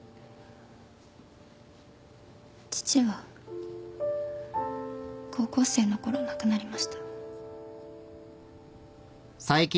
父は高校生のころ亡くなりました。